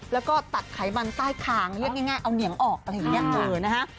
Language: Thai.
แล้วก็ตัดไขมันใต้คางเรียกง่ายเอาเหนียงออกอะไรอย่างนี้นะฮะ